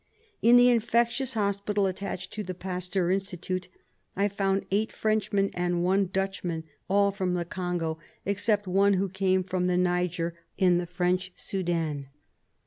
In the infectious hospital attached to the Pasteur Institute I found eight Frenchmen and one Dutchman, all from the Congo, except one who came from the Niger in the French Sudan.